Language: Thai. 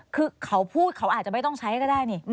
คือเขาพูดเขาอาจจะไม่ต้องใช้ก็ได้นี่